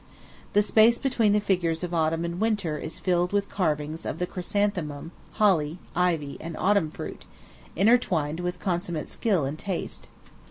The space between the figures of Autumn and Winter is filled with carvings of the chrysanthemum, holly, ivy, and autumn fruit, intertwined with consummate skill and taste.